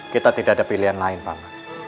kita tidak ada pilihan lain pak